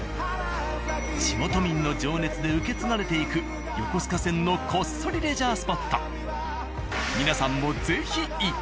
地元民の情熱で受け継がれていく横須賀線のこっそりレジャースポット。